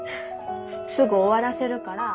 すぐ終わらせるから。